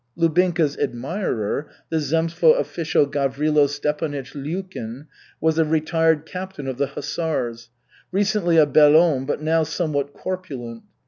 Lubinka's admirer, the zemstvo official Gavrilo Stepanych Lyulkin, was a retired captain of the Hussars, recently a bel homme, but now somewhat corpulent.